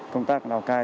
công tác lào cai